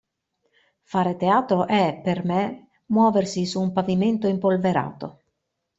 Fare teatro è, per me, muoversi su un pavimento impolverato.